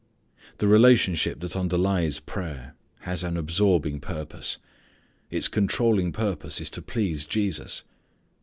The relationship that underlies prayer has an absorbing purpose. Its controlling purpose is to please Jesus.